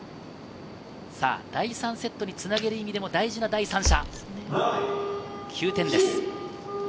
第３セットにつなげる意味でも大事な第３射、９点です。